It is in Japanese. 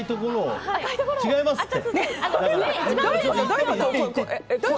違いますって！